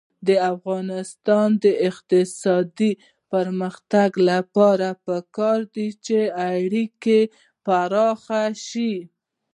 د افغانستان د اقتصادي پرمختګ لپاره پکار ده چې اړیکې پراخې شي.